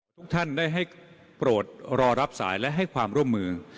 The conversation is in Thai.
ทุกท่านได้ให้โปรดรอรับสายและให้ความร่วมมือ